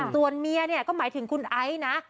ส่วนเมียเนี่ยก็หมายถึงคุณไอซ์นะ